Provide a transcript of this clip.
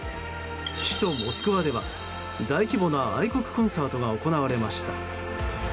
首都モスクワでは、大規模な愛国コンサートが行われました。